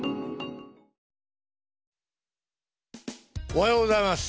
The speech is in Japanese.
おはようございます。